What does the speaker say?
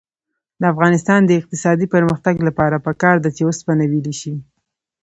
د افغانستان د اقتصادي پرمختګ لپاره پکار ده چې اوسپنه ویلې شي.